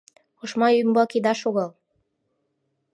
Ошма ӱмбак ида шогал -